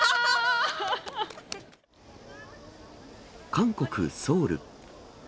韓国・ソウル。